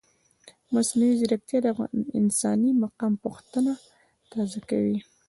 مصنوعي ځیرکتیا د انساني مقام پوښتنه تازه کوي.